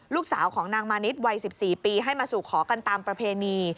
ลูกสาวของนางมานิดวัย๑๔ปีให้มาสู่ขอกันตามประเพณี